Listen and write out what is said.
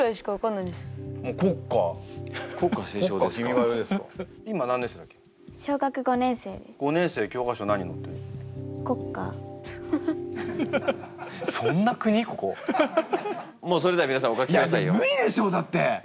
いや無理でしょだって。